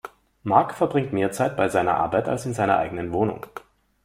Mark verbringt mehr Zeit bei seiner Arbeit als in seiner eigenen Wohnung.